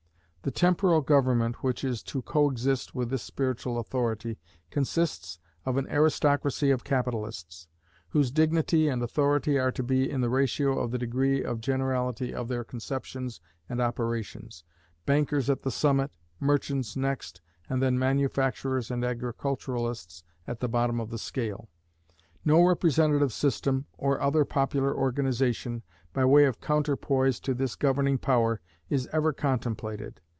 The temporal government which is to coexist with this spiritual authority, consists of an aristocracy of capitalists, whose dignity and authority are to be in the ratio of the degree of generality of their conceptions and operations bankers at the summit, merchants next, then manufacturers, and agriculturists at the bottom of the scale. No representative system, or other popular organization, by way of counterpoise to this governing power, is ever contemplated.